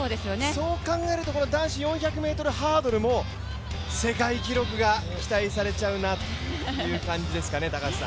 そう考えると男子４００ｍハードルも、世界記録が期待されちゃうなっていう感じですかね。